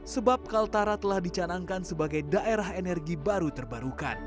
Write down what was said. sebab kaltara telah dicanangkan sebagai daerah energi baru terbarukan